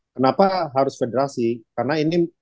kenapa harus federasi karena ini